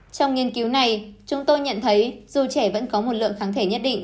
trong nghiên cứu này chúng tôi nhận thấy dù trẻ vẫn có một lượng kháng thể nhất định